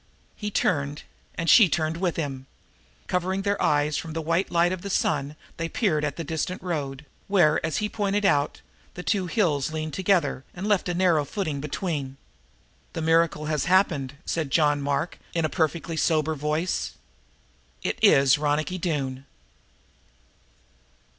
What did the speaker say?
He turned, and she turned with him. Covering their eyes from the white light of the sun they peered at the distant road, where, as he had pointed out, the two hills leaned together and left a narrow footing between. "The miracle has happened," said John Mark in a perfectly sober voice. "It is Ronicky Doone!"